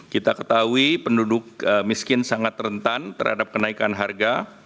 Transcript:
kita ketahui penduduk miskin sangat rentan terhadap kenaikan harga